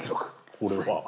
これは。